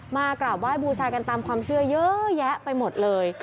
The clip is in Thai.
กราบไหว้บูชากันตามความเชื่อเยอะแยะไปหมดเลย